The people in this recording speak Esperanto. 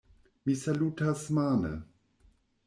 Mi salutas mane.